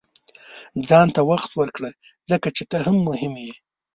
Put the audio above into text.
• ځان ته وخت ورکړه، ځکه چې ته هم مهم یې.